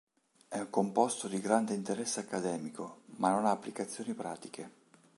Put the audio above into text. È un composto di grande interesse accademico, ma non ha applicazioni pratiche.